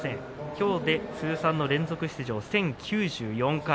きょうで通算の連続出場１０９４回。